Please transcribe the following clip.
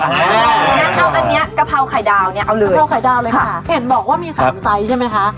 อย่างนั้นเอาอันนี้กะเพราไข่ดาวเนี่ยเอาเลยกะเพราไข่ดาวเลยค่ะเห็นบอกว่ามีสามไซส์ใช่ไหมคะ